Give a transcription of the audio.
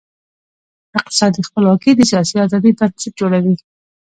اقتصادي خپلواکي د سیاسي آزادۍ بنسټ جوړوي.